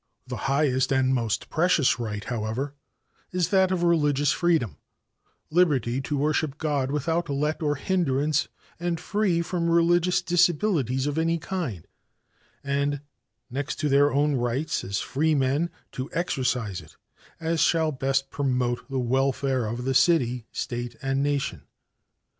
The highest and most precious right, however, is that of religious freedom, liberty to worship God without let or hindrance and free from religious disabilities of any kind, and next to their own rights as free men, to exercise it as shall best promote the welfare of the city, State and nation.